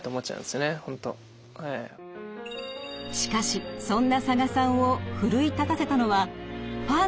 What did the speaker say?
しかしそんな佐賀さんを奮い立たせたのはファンの存在でした。